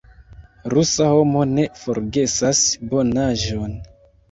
Rusa homo ne forgesas bonaĵon.